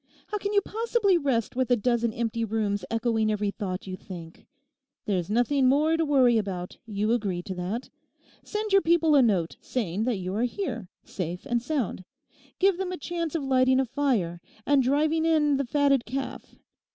How can you possibly rest with a dozen empty rooms echoing every thought you think? There's nothing more to worry about; you agree to that. Send your people a note saying that you are here, safe and sound. Give them a chance of lighting a fire, and driving in the fatted calf.